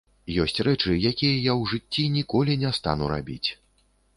Ёсць рэчы, якія я ў жыцці ніколі не стану рабіць.